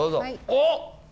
おっ！